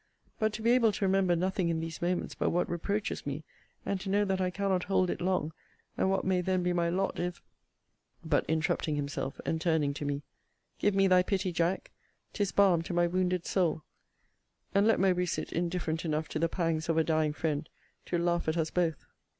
But to be able to remember nothing in these moments but what reproaches me, and to know that I cannot hold it long, and what may then be my lot, if but interrupting himself, and turning to me, Give me thy pity, Jack; 'tis balm to my wounded soul; and let Mowbray sit indifferent enough to the pangs of a dying friend, to laugh at us both.